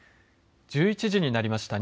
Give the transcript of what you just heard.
１１時になりました。